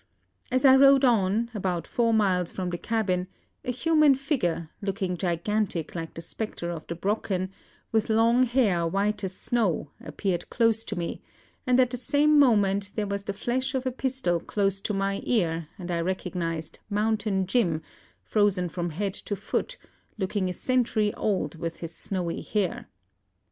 As I rode on, about four miles from the cabin, a human figure, looking gigantic like the spectre of the Brocken, with long hair white as snow, appeared close to me, and at the same moment there was the flash of a pistol close to my ear, and I recognized 'Mountain Jim,' frozen from head to foot, looking a century old with his snowy hair.